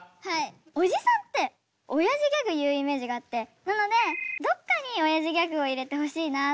おじさんっておやじギャグ言うイメージがあってなのでどっかにおやじギャグを入れてほしいなと思って。